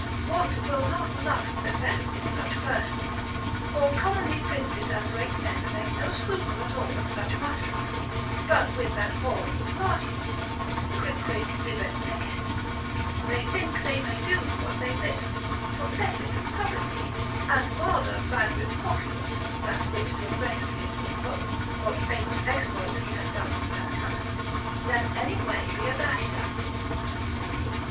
what will not lust effect in such persons? For commonly princes and great men make no scruple at all of such matters, but with that whore in Spartian, quicquid libet licet, they think they may do what they list, profess it publicly, and rather brag with Proculus (that writ to a friend of his in Rome, what famous exploits he had done in that kind) than any way be abashed at it.